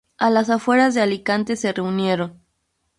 A las afueras de Alicante se reunieron.